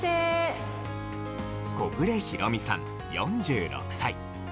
小暮広美さん、４６歳。